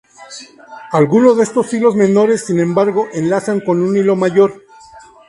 Algunos de estos hilos menores, sin embargo, enlazan con un hilo mayor.